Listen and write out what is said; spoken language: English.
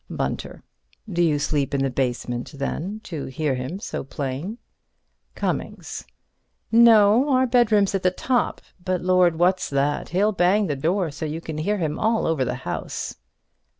Bunter: Do you sleep in the basement, then, to hear him so plain? Cummings: No; our bedroom's at the top. But, Lord! what's that? He'll bang the door so you can hear him all over the house.